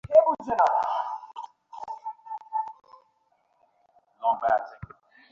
কোনোভাবেই আমি তোমাকে থামাতে পারব না।